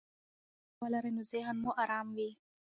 که تاسي مینه ولرئ، نو ذهن مو ارام وي.